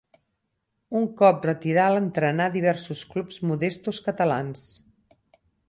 Un cop retirar entrenà diversos clubs modestos catalans.